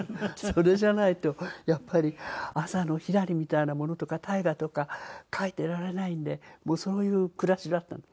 それじゃないとやっぱり朝の『ひらり』みたいなものとか大河とか書いていられないんでそういう暮らしだったの。